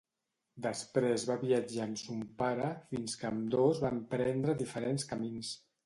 Després va viatjar amb son pare fins que ambdós van prendre diferents camins.